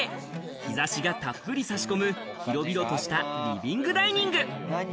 日差しがたっぷり差し込む広々としたリビングダイニング。